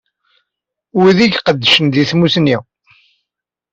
Wid i iqeddcen di tsusmi.